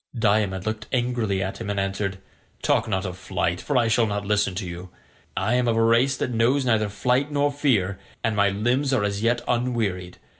Diomed looked angrily at him and answered: "Talk not of flight, for I shall not listen to you: I am of a race that knows neither flight nor fear, and my limbs are as yet unwearied.